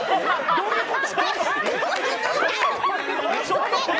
どういうこと？